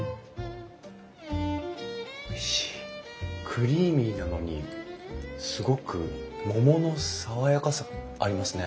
クリーミーなのにすごく桃の爽やかさがありますね。